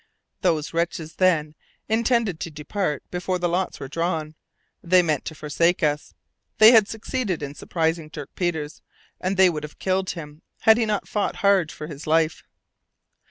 These wretches, then, intended to depart before the lots were drawn; they meant to forsake us. They had succeeded in surprising Dirk Peters, and they would have killed him, had he not fought hard for life.